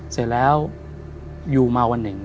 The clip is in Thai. เสร็จแล้วอยู่มาวันหนึ่ง